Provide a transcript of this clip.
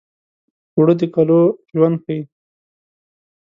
اوړه د کلو ژوند ښيي